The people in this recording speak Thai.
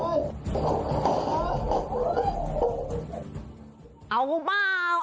เอากูเปล่า